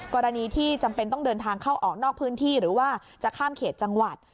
กรณีที่จำเป็นต้องเดินทางเข้าออกนอกพื้นที่หรือว่าจะข้ามเขตจังหวัด